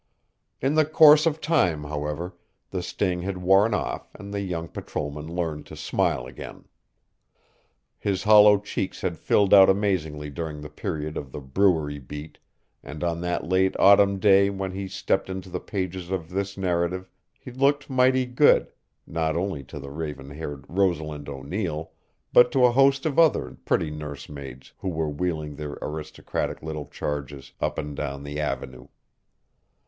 In the course of time, however, the sting had worn off and the young patrolman learned to smile again. His hollow cheeks had filled out amazingly during the period of the brewery beat and on that late autumn day when he stepped into the pages of this narrative he looked mighty good, not only to the raven haired Rosalind O'Neill but to a host of other pretty nursemaids who were wheeling their aristocratic little charges up and down The Avenue.